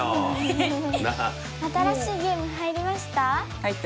新しいゲーム入りました？